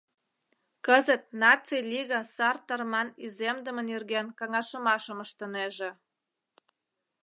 Кызыт Наций Лига сар тарман иземдыме нерген каҥашымашым ыштынеже.